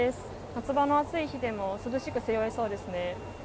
夏場の暑い日でも涼しく背負えそうですね。